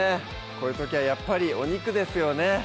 こういう時はやっぱりお肉ですよね